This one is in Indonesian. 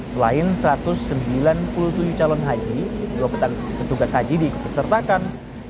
selain satu ratus sembilan puluh tujuh calon haji petugas haji diikutsertakan